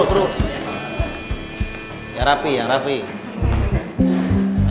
seperti yang belum mengumpulkan